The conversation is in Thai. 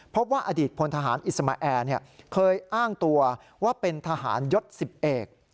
พบว่าอดีตพลทหารอิสมาแอร์เคยอ้างตัวว่าเป็นทหารยศ๑๐เอก